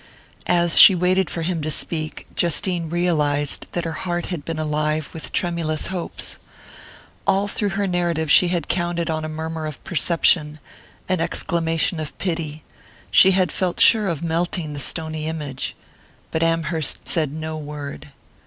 As she waited for him to speak, Justine realized that her heart had been alive with tremulous hopes. All through her narrative she had counted on a murmur of perception, an exclamation of pity: she had felt sure of melting the stony image. But Amherst said no word.